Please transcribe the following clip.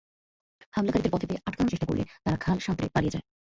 হামলাকারীদের পথে পেয়ে আটকানোর চেষ্টা করলে তারা খাল সাঁতরে পালিয়ে যায়।